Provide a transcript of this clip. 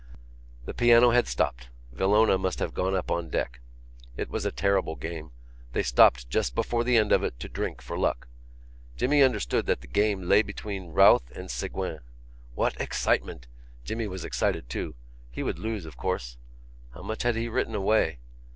The piano had stopped; Villona must have gone up on deck. It was a terrible game. They stopped just before the end of it to drink for luck. Jimmy understood that the game lay between Routh and Ségouin. What excitement! Jimmy was excited too; he would lose, of course. How much had he written away?